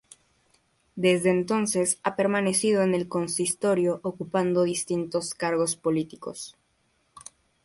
Desde entonces ha permanecido en el consistorio ocupando distintos cargos políticos.